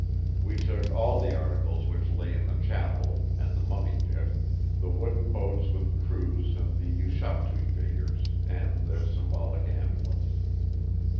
We took all the articles which lay in the Chapel, and the Mummy Pit; the wooden boats with crews and the ushaptiu figures, and the symbolic amulets.